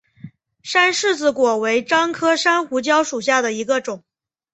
山柿子果为樟科山胡椒属下的一个种。